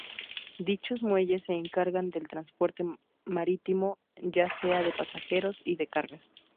Dichos muelles se encargan del transporte marítimo, ya sea de pasajeros y de cargas.